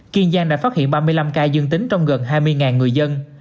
kiên giang đã phát hiện ba mươi năm ca dương tính trong gần hai mươi người dân